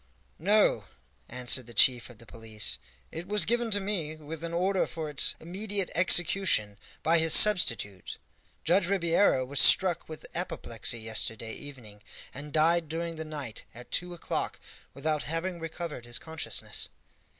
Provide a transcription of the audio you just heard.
"No," answered the chief of the police, "it was given to me, with an order for its immediate execution, by his substitute. Judge Ribeiro was struck with apoplexy yesterday evening, and died during the night at two o'clock, without having recovered his consciousness."